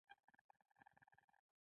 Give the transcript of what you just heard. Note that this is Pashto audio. توپک له قلم توپیر نه پېژني.